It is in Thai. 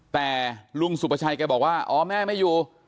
แต่ลุงสุภาชัยแกบอกว่าอ๋อแม่ไม่อยู่